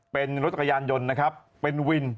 เป็นรถจักรยานยนต์นะครับเป็นวิน